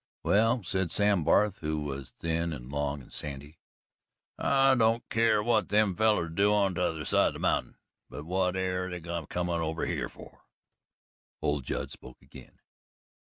"Well," said Sam Barth, who was thin and long and sandy, "I don't keer what them fellers do on t'other side o' the mountain, but what air they a comin' over here fer?" Old Judd spoke again.